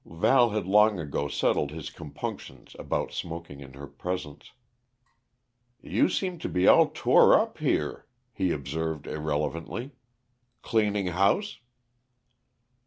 Val had long ago settled his compunctions about smoking in her presence. "You seem to be all tore up, here," he observed irrelevantly. "Cleaning house?"